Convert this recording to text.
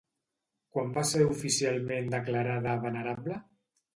Quan va ser oficialment declarada venerable?